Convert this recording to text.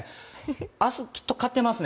明日、きっと買ってますね